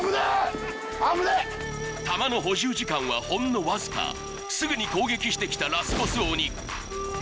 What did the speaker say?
弾の補充時間はほんのわずかすぐに攻撃してきたラスボス鬼